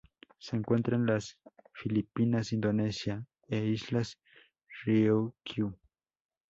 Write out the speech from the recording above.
Se encuentra en las Filipinas, Indonesia e Islas Ryukyu.